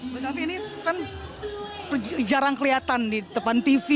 mbak selvi ini kan jarang kelihatan di depan tv